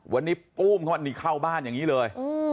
วันนี้ปุ้มเข้ามานี่เข้าบ้านอย่างนี้เลย